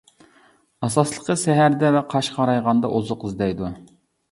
ئاساسلىقى سەھەردە ۋە قاش قارايغاندا ئوزۇق ئىزدەيدۇ.